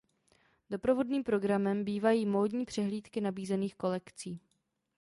Doprovodným programem bývají módní přehlídky nabízených kolekcí.